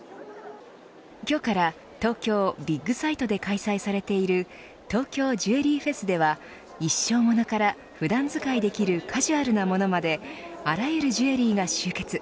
今日から東京ビッグサイトで開催されているＴＯＫＹＯＪＥＷＥＬＲＹＦＥＳでは一生ものから、普段使いできるカジュアルなものまであらゆるジュエリーが集結。